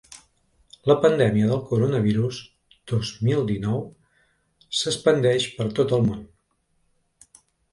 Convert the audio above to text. La pandèmia del coronavirus dos mil dinou s’expandeix per tot el món.